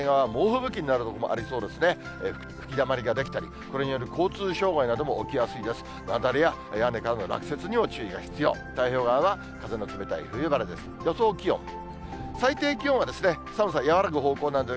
雪崩や屋根からの落雪にも注意が必要、太平洋側は風の冷たい冬晴れです。